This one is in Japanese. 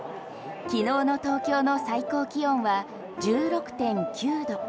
昨日の東京の最高気温は１６．９度。